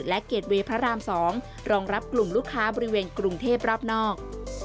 และเกรดเวย์พระราม๒รองรับกลุ่มลูกค้าบริเวณกรุงเทพรอบนอก